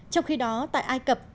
trong khi đó tại ai cập